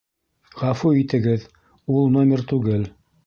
Ғәфү итегеҙ, ул номер түгел